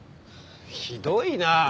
ひどいな。